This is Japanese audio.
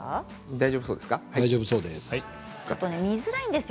大丈夫そうです。